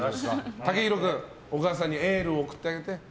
武尋君お母さんにエールを送ってあげて。